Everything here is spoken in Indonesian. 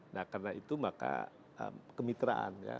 nah karena itu maka kemitraan ya